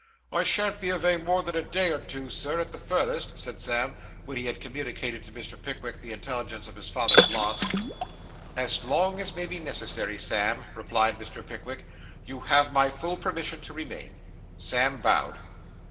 'I shan't be avay more than a day, or two, Sir, at the furthest,' said Sam, when he had communicated to Mr. Pickwick the intelligence of his father's loss. 'As long as may be necessary, Sam,' replied Mr. Pickwick, 'you have my full permission to remain.' Sam bowed.